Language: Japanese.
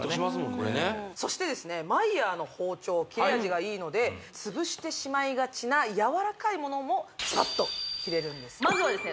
これねそしてですねＭＥＹＥＲの包丁は切れ味がいいので潰してしまいがちなやわらかいものもスパッと切れるんですまずはですね